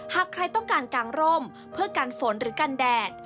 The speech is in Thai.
หากใครต้องการกางร่มเพื่อกันฝนหรือกันแดด